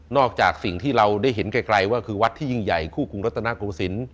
จากสิ่งที่เราได้เห็นไกลว่าคือวัดที่ยิ่งใหญ่คู่กรุงรัฐนาโกศิลป์